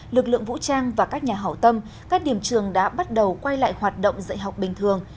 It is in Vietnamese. lực lượng vũ trang và các nhà hảo tâm các điểm trường đã bắt đầu quay lại hoạt động dạy học bình thường